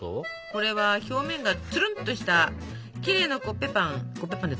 これは表面がツルンとしたきれいなコッペパン。